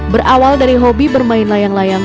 berawal dari hobi bermain layang layang